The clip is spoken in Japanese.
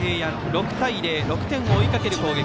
６対０、６点を追いかける攻撃。